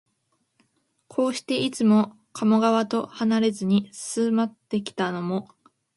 こうして、いつも加茂川とはなれずに住まってきたのも、